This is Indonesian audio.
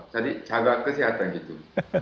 jadi jaga kesehatan gitu